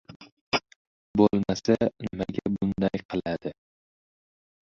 — Bo‘lmasa, nimaga bunday qiladi?